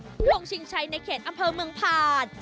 ลงชิงชัยในเขตอำเภอเมืองผ่าน